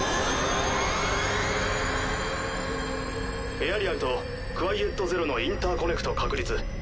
エアリアルとクワイエット・ゼロのインターコネクト確立。